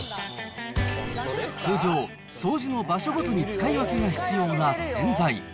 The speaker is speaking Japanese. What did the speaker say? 通常、掃除の場所ごとに使い分けが必要な洗剤。